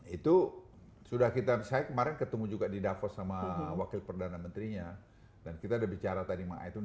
itu sudah kita saya kemarin ketemu juga di davos sama wakil perdana menterinya dan kita udah bicara tadi mang iton